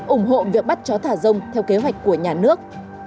ủng hộ việc bắt chó thả rông theo kế hoạch của nhà nước